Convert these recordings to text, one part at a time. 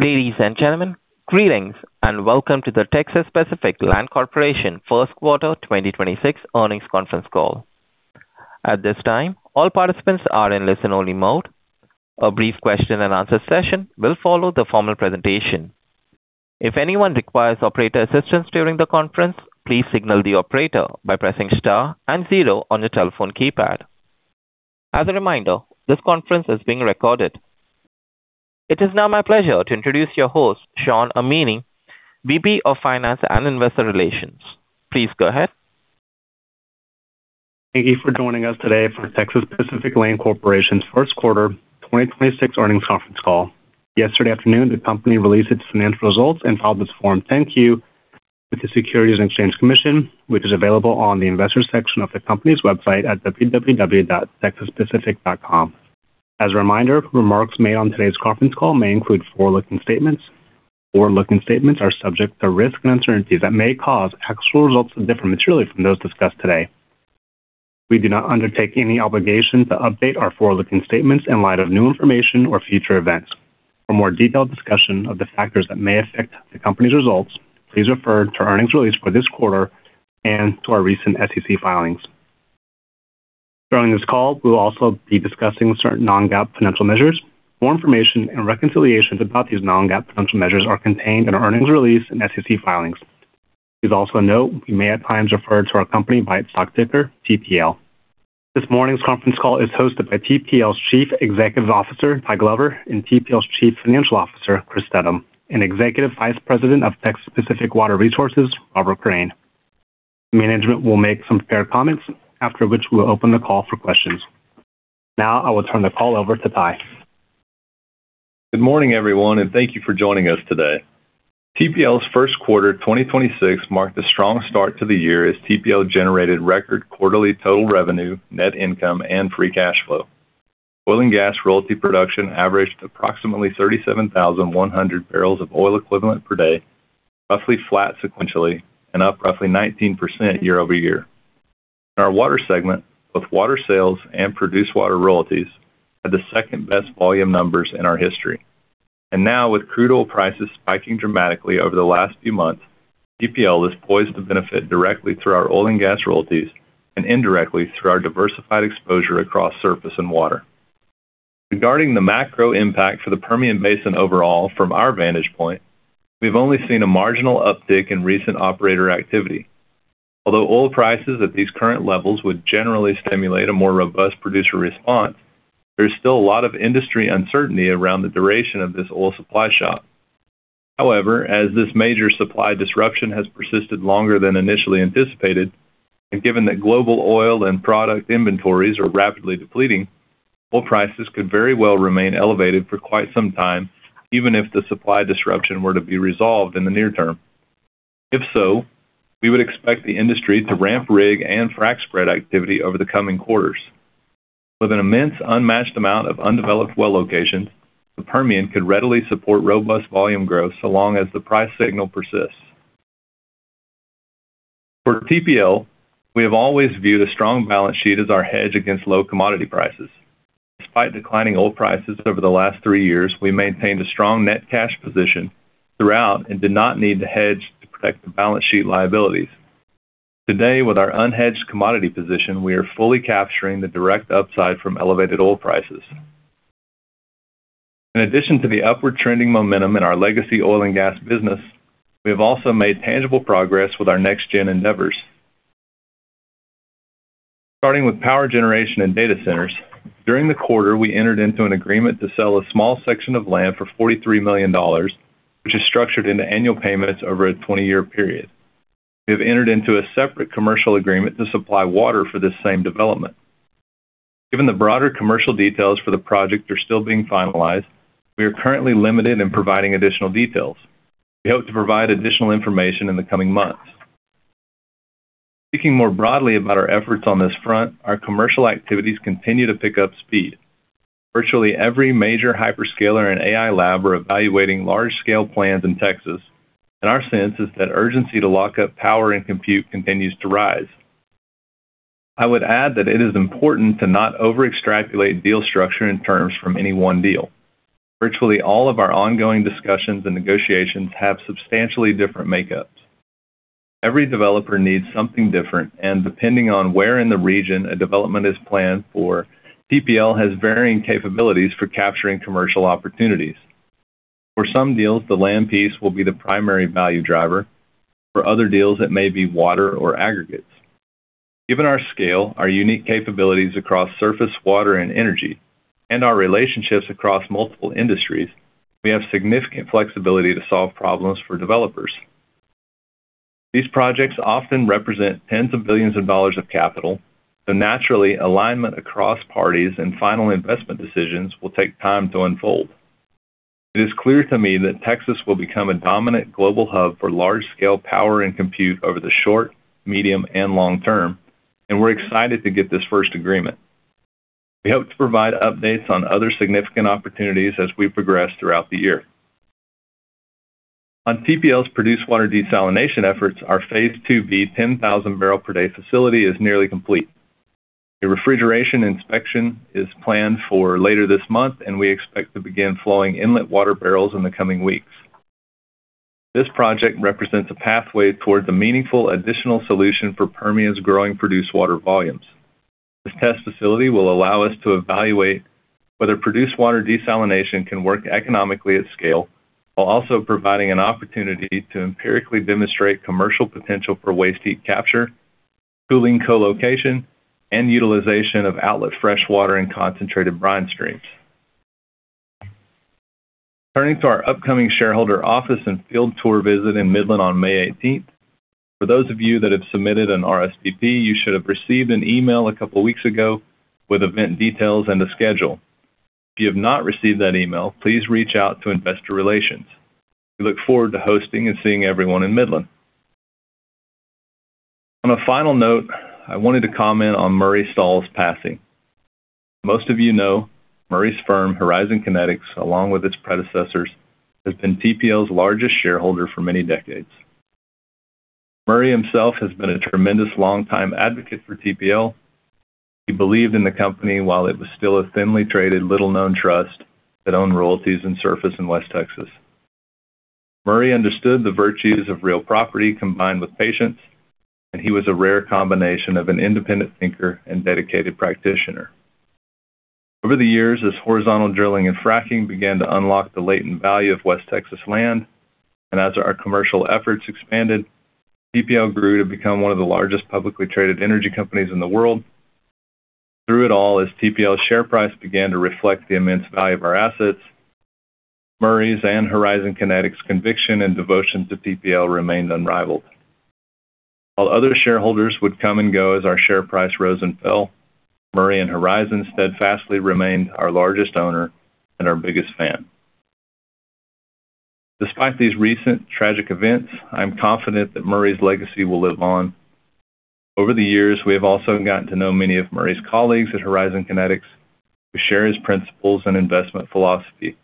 Ladies and gentlemen, greetings, and welcome to the Texas Pacific Land Corporation first quarter 2026 earnings conference call. At this time, all participants are in listen-only mode. A brief question and answer session will follow the formal presentation. If anyone requires operator assistance during the conference, please signal the operator by pressing star and zero on your telephone keypad. As a reminder, this conference is being recorded. It is now my pleasure to introduce your host, Shawn Amini, VP of Finance and Investor Relations. Please go ahead. Thank you for joining us today for Texas Pacific Land Corporation's first quarter 2026 earnings conference call. Yesterday afternoon, the company released its financial results and filed its Form 10-Q with the Securities and Exchange Commission, which is available on the investors section of the company's website at www.texaspacific.com. As a reminder, remarks made on today's conference call may include forward-looking statements. Forward-looking statements are subject to risks and uncertainties that may cause actual results to differ materially from those discussed today. We do not undertake any obligation to update our forward-looking statements in light of new information or future events. For more detailed discussion of the factors that may affect the Company's results, please refer to earnings release for this quarter and to our recent SEC filings. During this call, we will also be discussing certain non-GAAP financial measures. More information and reconciliations about these non-GAAP financial measures are contained in our earnings release and SEC filings. Please also note, we may at times refer to our company by its stock ticker, TPL. This morning's conference call is hosted by TPL's Chief Executive Officer, Tyler Glover, and TPL's Chief Financial Officer, Chris Steddum, and Executive Vice President of Texas Pacific Water Resources, Robert Crain. Management will make some prepared comments after which we'll open the call for questions. Now I will turn the call over to Ty. Good morning, everyone, and thank you for joining us today. TPL's first quarter 2026 marked a strong start to the year as TPL generated record quarterly total revenue, net income, and free cash flow. Oil and gas royalty production averaged approximately 37,100 bbl of oil equivalent per day, roughly flat sequentially and up roughly 19% year over year. In our water segment, both water sales and produced water royalties had the second-best volume numbers in our history. Now with crude oil prices spiking dramatically over the last few months, TPL is poised to benefit directly through our oil and gas royalties and indirectly through our diversified exposure across surface and water. Regarding the macro impact for the Permian Basin overall from our vantage point, we've only seen a marginal uptick in recent operator activity. Although oil prices at these current levels would generally stimulate a more robust producer response, there's still a lot of industry uncertainty around the duration of this oil supply shock. As this major supply disruption has persisted longer than initially anticipated, and given that global oil and product inventories are rapidly depleting, oil prices could very well remain elevated for quite some time, even if the supply disruption were to be resolved in the near term. If so, we would expect the industry to ramp rig and frack spread activity over the coming quarters. With an immense unmatched amount of undeveloped well locations, the Permian could readily support robust volume growth so long as the price signal persists. For TPL, we have always viewed a strong balance sheet as our hedge against low commodity prices. Despite declining oil prices over the last three years, we maintained a strong net cash position throughout and did not need to hedge to protect the balance sheet liabilities. Today, with our unhedged commodity position, we are fully capturing the direct upside from elevated oil prices. In addition to the upward trending momentum in our legacy oil and gas business, we have also made tangible progress with our next gen endeavors. Starting with power generation and data centers, during the quarter, we entered into an agreement to sell a small section of land for $43 million, which is structured into annual payments over a 20-year period. We have entered into a separate commercial agreement to supply water for this same development. Given the broader commercial details for the project are still being finalized, we are currently limited in providing additional details. We hope to provide additional information in the coming months. Speaking more broadly about our efforts on this front, our commercial activities continue to pick up speed. Virtually every major hyperscaler and AI lab are evaluating large-scale plans in Texas, and our sense is that urgency to lock up power and compute continues to rise. I would add that it is important to not overextrapolate deal structure and terms from any one deal. Virtually all of our ongoing discussions and negotiations have substantially different makeups. Every developer needs something different, and depending on where in the region a development is planned for, TPL has varying capabilities for capturing commercial opportunities. For some deals, the land piece will be the primary value driver. For other deals, it may be water or aggregates. Given our scale, our unique capabilities across surface water and energy, and our relationships across multiple industries, we have significant flexibility to solve problems for developers. Naturally, alignment across parties and final investment decisions will take time to unfold. It is clear to me that Texas will become a dominant global hub for large-scale power and compute over the short, medium, and long term. We're excited to get this first agreement. We hope to provide updates on other significant opportunities as we progress throughout the year. On TPL's produced water desalination efforts, our phase II-B 10,000 bbl per day facility is nearly complete. The refrigeration inspection is planned for later this month. We expect to begin flowing inlet water bbl in the coming weeks. This project represents a pathway towards a meaningful additional solution for Permian's growing produced water volumes. This test facility will allow us to evaluate whether produced water desalination can work economically at scale, while also providing an opportunity to empirically demonstrate commercial potential for waste heat capture, cooling co-location, and utilization of outlet freshwater and concentrated brine streams. Our upcoming shareholder office and field tour visit in Midland on May 18th. For those of you that have submitted an RSVP, you should have received an email a couple weeks ago with event details and a schedule. If you have not received that email, please reach out to Investor Relations. We look forward to hosting and seeing everyone in Midland. I wanted to comment on Murray Stahl's passing. Most of you know Murray's firm, Horizon Kinetics, along with its predecessors, has been TPL's largest shareholder for many decades. Murray himself has been a tremendous long-time advocate for TPL. He believed in the company while it was still a thinly traded, little-known trust that owned royalties and surface in West Texas. Murray understood the virtues of real property combined with patience, and he was a rare combination of an independent thinker and dedicated practitioner. Over the years, as horizontal drilling and fracking began to unlock the latent value of West Texas land, and as our commercial efforts expanded, TPL grew to become one of the largest publicly traded energy companies in the world. Through it all, as TPL's share price began to reflect the immense value of our assets, Murray's and Horizon Kinetics conviction and devotion to TPL remained unrivaled. While other shareholders would come and go as our share price rose and fell, Murray and Horizon steadfastly remained our largest owner and our biggest fan. Despite these recent tragic events, I'm confident that Murray's legacy will live on. Over the years, we have also gotten to know many of Murray's colleagues at Horizon Kinetics, who share his principles and investment philosophy.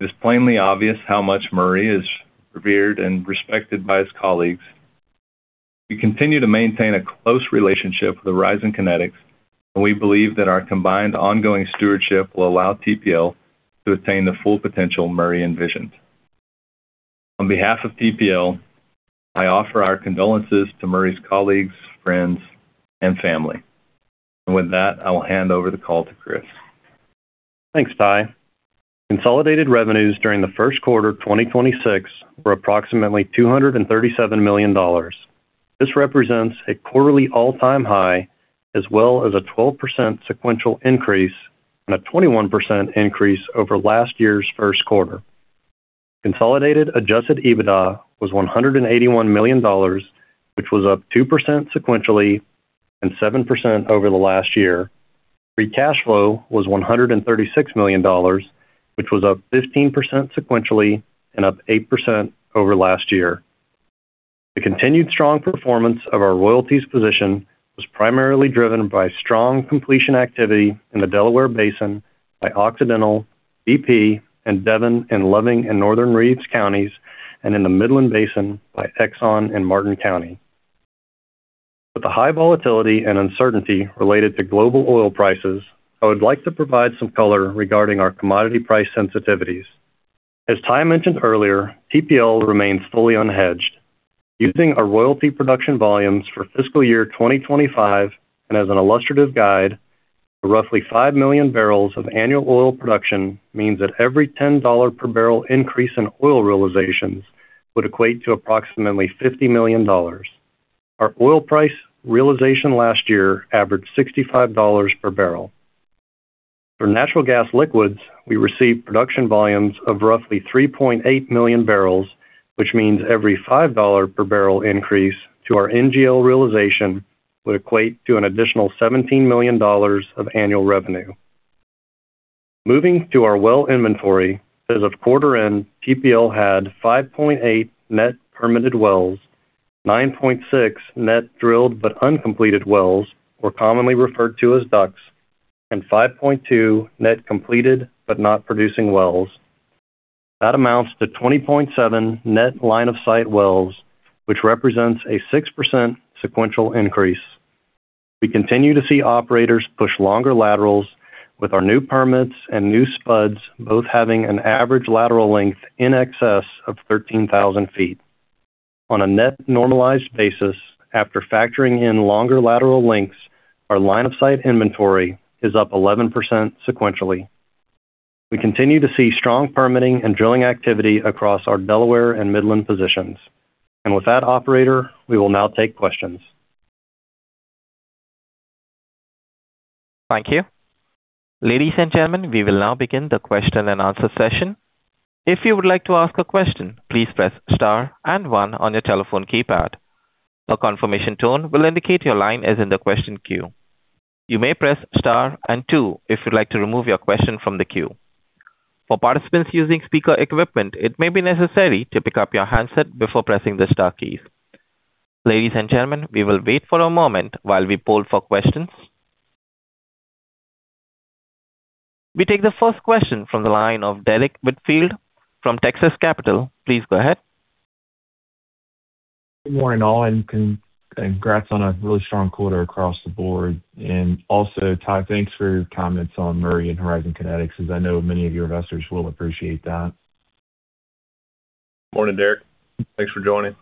It is plainly obvious how much Murray is revered and respected by his colleagues. We continue to maintain a close relationship with Horizon Kinetics, and we believe that our combined ongoing stewardship will allow TPL to attain the full potential Murray envisioned. On behalf of TPL, I offer our condolences to Murray's colleagues, friends, and family. With that, I will hand over the call to Chris. Thanks, Ty. Consolidated revenues during the first quarter 2026 were approximately $237 million. This represents a quarterly all-time high, as well as a 12% sequential increase and a 21% increase over last year's first quarter. Consolidated adjusted EBITDA was $181 million, which was up 2% sequentially and 7% over the last year. Free cash flow was $136 million, which was up 15% sequentially and up 8% over last year. The continued strong performance of our royalties position was primarily driven by strong completion activity in the Delaware Basin by Occidental, BP, and Devon in Loving and Northern Reeves counties and in the Midland Basin by Exxon in Martin County. With the high volatility and uncertainty related to global oil prices, I would like to provide some color regarding our commodity price sensitivities. As Ty mentioned earlier, TPL remains fully unhedged. Using our royalty production volumes for fiscal year 2025, and as an illustrative guide, the roughly 5 million bbl of annual oil production means that every $10 per bbl increase in oil realizations would equate to approximately $50 million. Our oil price realization last year averaged $65 per bbl. For natural gas liquids, we received production volumes of roughly 3.8 million bbl, which means every $5 per bbl increase to our NGL realization would equate to an additional $17 million of annual revenue. Moving to our well inventory, as of quarter end, TPL had 5.8 net permitted wells, 9.6 net drilled but uncompleted wells, or commonly referred to as DUCs, and 5.2 net completed but not producing wells. That amounts to 20.7 net line-of-sight wells, which represents a 6% sequential increase. We continue to see operators push longer laterals with our new permits and new spuds both having an average lateral length in excess of 13,000 ft. On a net normalized basis, after factoring in longer lateral lengths, our line-of-sight inventory is up 11% sequentially. We continue to see strong permitting and drilling activity across our Delaware and Midland positions. With that, operator, we will now take questions. Thank you. We take the first question from the line of Derrick Whitfield from Texas Capital. Please go ahead. Good morning, all, and congrats on a really strong quarter across the board. Tyler, thanks for your comments on Murray and Horizon Kinetics, as I know many of your investors will appreciate that. Morning, Derrick. Thanks for joining.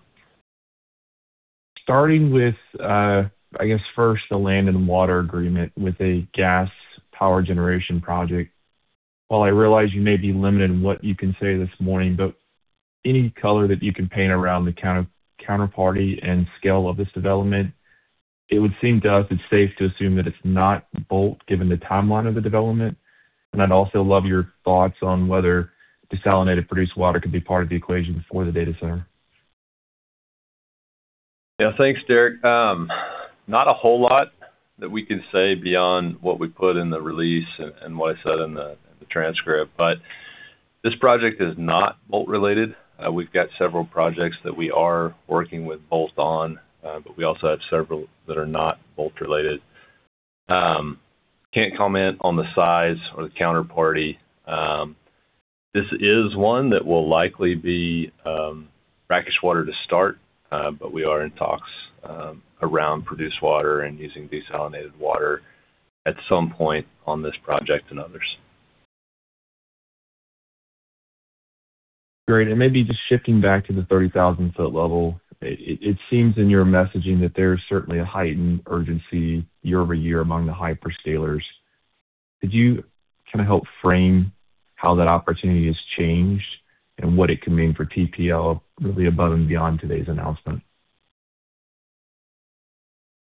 Starting with, I guess first the land and water agreement with a gas power generation project. I realize you may be limited in what you can say this morning, but any color that you can paint around the counter-counterparty and scale of this development, it would seem to us it's safe to assume that it's not Bolt given the timeline of the development. I'd also love your thoughts on whether desalinated produced water could be part of the equation for the data center. Yeah. Thanks, Derrick. Not a whole lot that we can say beyond what we put in the release and what I said in the transcript, but this project is not Bolt related. We've got several projects that we are working with Bolt on, but we also have several that are not Bolt related. Can't comment on the size or the counterparty. This is one that will likely be brackish water to start, but we are in talks around produced water and using desalinated water at some point on this project and others. Great. Maybe just shifting back to the 30,000 foot level. It seems in your messaging that there's certainly a heightened urgency year-over-year among the hyperscalers. Could you kinda help frame how that opportunity has changed and what it could mean for TPL really above and beyond today's announcement?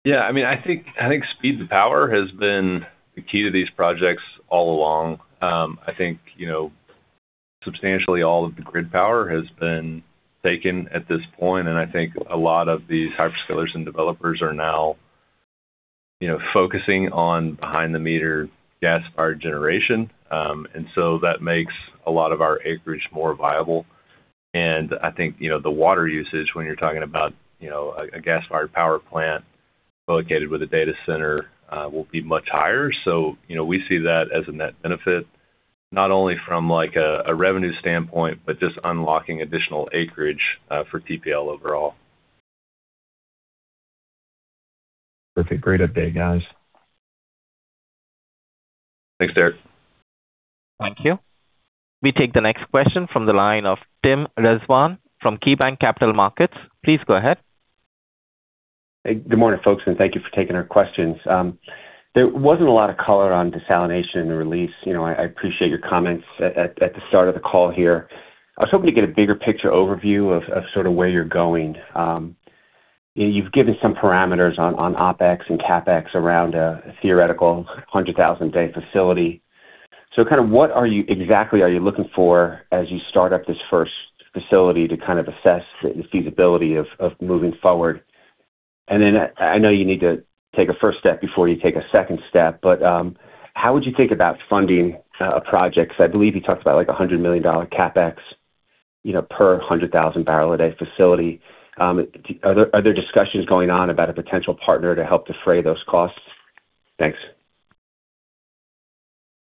Yeah, I mean, I think speed to power has been the key to these projects all along. I think, you know, substantially all of the grid power has been taken at this point. I think a lot of these hyperscalers and developers are now, you know, focusing on behind the meter gas-fired generation. That makes a lot of our acreage more viable. I think, you know, the water usage when you're talking about, you know, a gas-fired power plant co-located with a data center will be much higher. You know, we see that as a net benefit, not only from like a revenue standpoint, but just unlocking additional acreage for TPL overall. Perfect. Great update, guys. Thanks, Derrick. Thank you. We take the next question from the line of Tim Rezvan from KeyBanc Capital Markets. Please go ahead. Hey, good morning, folks, and thank you for taking our questions. There wasn't a lot of color on desalination in the release. You know, I appreciate your comments at the start of the call here. I was hoping to get a bigger picture overview of sort of where you're going. You've given some parameters on OpEx and CapEx around a theoretical 100,000 day facility. Kind of exactly are you looking for as you start up this first facility to kind of assess the feasibility of moving forward? I know you need to take a first step before you take a second step, but how would you think about funding a project? Because I believe you talked about like a $100 million CapEx, you know, per 100,000 bbl a day facility. Are there discussions going on about a potential partner to help defray those costs? Thanks.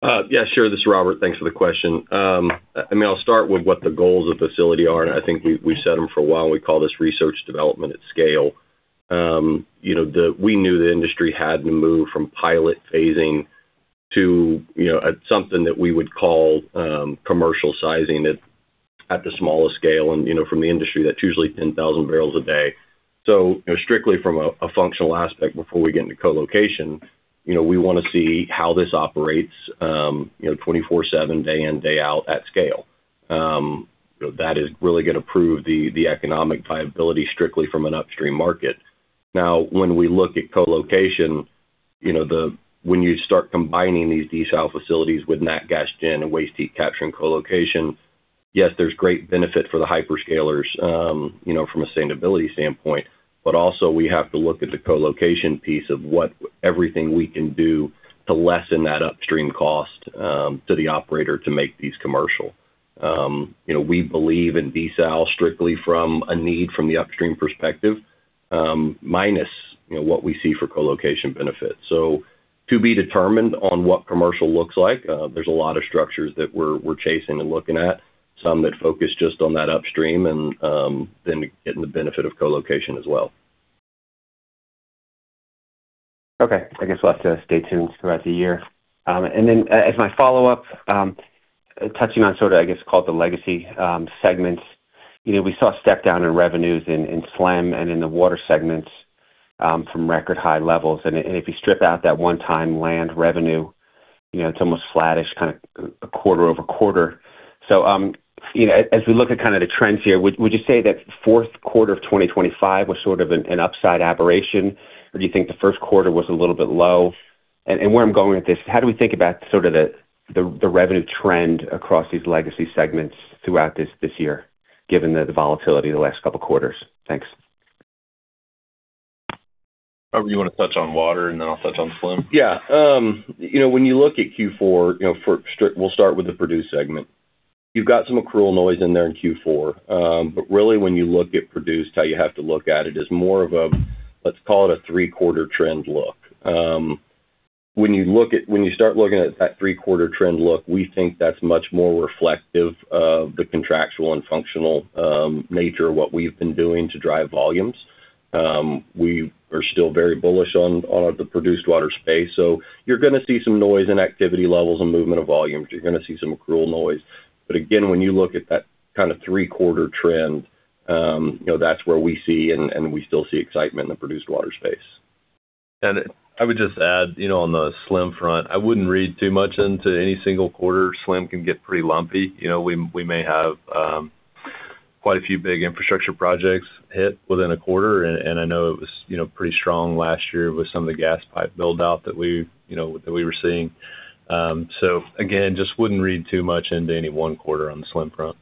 Yeah, sure. This is Robert. Thanks for the question. I mean, I'll start with what the goals of facility are, and I think we've said them for a while. We call this research development at scale. You know, we knew the industry had to move from pilot phasing to, you know, something that we would call commercial sizing at the smallest scale. You know, from the industry, that's usually 10,000 bbl a day. You know, strictly from a functional aspect, before we get into co-location, you know, we wanna see how this operates, you know, 24/7, day in, day out at scale. That is really gonna prove the economic viability strictly from an upstream market. When we look at co-location, you know, when you start combining these desal facilities with nat gas gen and waste heat capture and co-location, yes, there's great benefit for the hyperscalers, you know, from a sustainability standpoint, but also we have to look at the co-location piece of what everything we can do to lessen that upstream cost to the operator to make these commercial. You know, we believe in desal strictly from a need from the upstream perspective, minus, you know, what we see for co-location benefits. To be determined on what commercial looks like, there's a lot of structures that we're chasing and looking at, some that focus just on that upstream and then getting the benefit of co-location as well. Okay. I guess we'll have to stay tuned throughout the year. As my follow-up, touching on sort of, I guess, called the legacy segments. You know, we saw a step down in revenues in SLM and in the water segments, from record high levels. If you strip out that one-time land revenue, you know, it's almost flattish kind of quarter-over-quarter. As we look at kind of the trends here, would you say that fourth quarter of 2025 was sort of an upside aberration, or do you think the first quarter was a little bit low? Where I'm going with this, how do we think about sort of the revenue trend across these legacy segments throughout this year, given the volatility of the last couple quarters? Thanks. Robert, you wanna touch on water, and then I'll touch on SLM? Yeah. You know, when you look at Q4, you know, we'll start with the produce segment. You've got some accrual noise in there in Q4. Really when you look at produced, how you have to look at it is more of a, let's call it a three-quarter trend look. When you start looking at that three-quarter trend look, we think that's much more reflective of the contractual and functional nature of what we've been doing to drive volumes. We are still very bullish on the produced water space. You're gonna see some noise in activity levels and movement of volumes. You're gonna see some accrual noise. Again, when you look at that kind of three-quarter trend, you know, that's where we see and we still see excitement in the produced water space. I would just add, you know, on the SLM front, I wouldn't read too much into any single quarter. SLM can get pretty lumpy. You know, we may have quite a few big infrastructure projects hit within a quarter, and I know it was, you know, pretty strong last year with some of the gas pipe build-out that we, you know, that we were seeing. Again, just wouldn't read too much into any one quarter on the SLM front.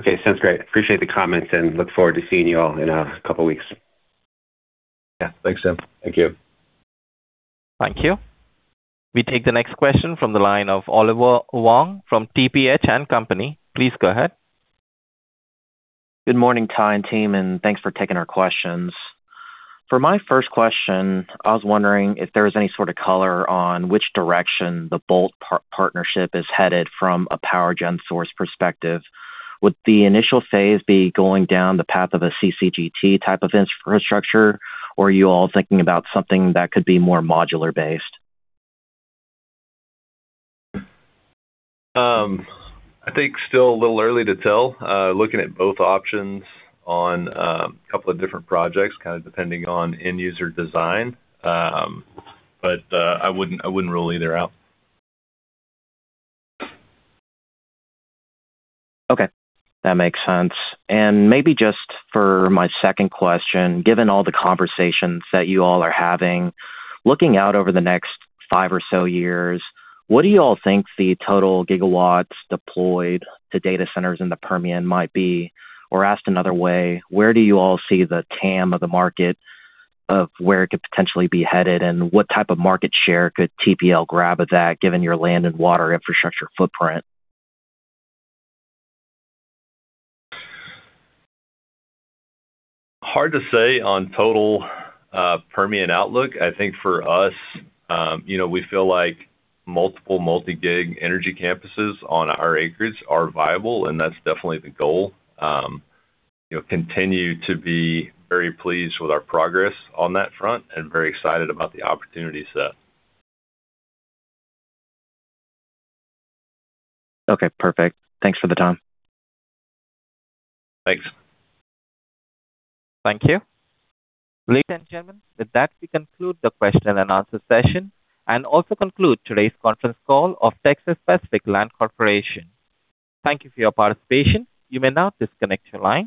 Okay. Sounds great. Appreciate the comments, and look forward to seeing you all in a couple weeks. Yeah. Thanks, Tim. Thank you. Thank you. We take the next question from the line of Oliver Huang from TPH & Co. Please go ahead. Good morning, Ty and team, and thanks for taking our questions. For my first question, I was wondering if there was any sort of color on which direction the Bolt partnership is headed from a power gen source perspective. Would the initial phase be going down the path of a CCGT type of infrastructure, or are you all thinking about something that could be more modular based? I think still a little early to tell. Looking at both options on a couple of different projects, kind of depending on end user design. I wouldn't, I wouldn't rule either out. Okay. That makes sense. Maybe just for my second question, given all the conversations that you all are having, looking out over the next five or so years, what do you all think the total gigawatts deployed to data centers in the Permian might be? Or asked another way, where do you all see the TAM of the market of where it could potentially be headed, and what type of market share could TPL grab of that, given your land and water infrastructure footprint? Hard to say on total Permian outlook. I think for us, you know, we feel like multiple multi-gig energy campuses on our acreage are viable, and that's definitely the goal. You know, continue to be very pleased with our progress on that front and very excited about the opportunity set. Okay. Perfect. Thanks for the time. Thanks. Thank you. Ladies and gentlemen, with that, we conclude the question and answer session and also conclude today's conference call of Texas Pacific Land Corporation. Thank you for your participation. You may now disconnect your line.